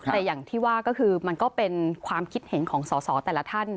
แต่อย่างที่ว่าก็คือมันก็เป็นความคิดเห็นของสอสอแต่ละท่าน